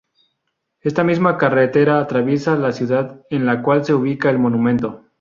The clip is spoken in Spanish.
Esta misma carretera atraviesa la ciudad en la cual se ubica el monumento.